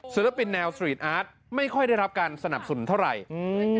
ศิลปินแนวสตรีทอาร์ตไม่ค่อยได้รับการสนับสนุนเท่าไหร่อืม